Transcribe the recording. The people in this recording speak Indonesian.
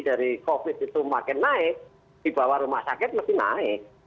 dari covid itu makin naik dibawah rumah sakit lebih naik